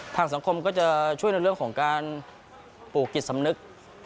ทางสังคมก็จะช่วยในเรื่องของการปลูกจิตสำนึก